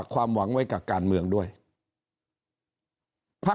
ก็มาเมืองไทยไปประเทศเพื่อนบ้านใกล้เรา